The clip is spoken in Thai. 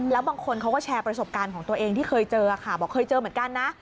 แล้วบางคนเขาก็แชร์ประสบการณ์ของตัวเองที่เคยเจอค่ะบอกเคยเจอเหมือนกันนะ